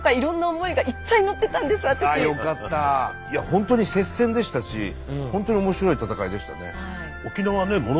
本当に接戦でしたし本当に面白い戦いでしたね。